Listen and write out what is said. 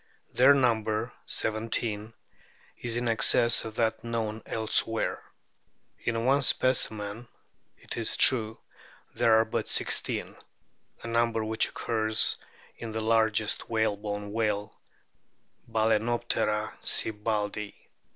Their number (seventeen) is in excess of that known elsewhere. In one specimen, it is true, there are but sixteen a number which occurs in the largest whalebone whale Balcenoptera sibbaldii.